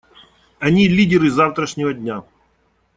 Они — лидеры завтрашнего дня.